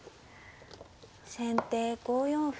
先手５四歩。